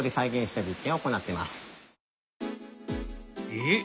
えっ？